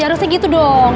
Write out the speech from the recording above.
ya harusnya gitu dong